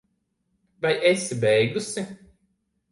Vai esi beigusi?